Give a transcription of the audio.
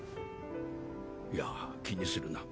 いや気にするな。